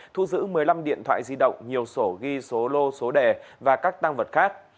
thu giữ một mươi năm điện thoại di động nhiều sổ ghi số lô số đề và các tăng vật khác